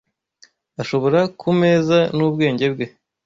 ashobora kumeza n'ubwenge bwe